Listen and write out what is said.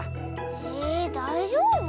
えだいじょうぶ？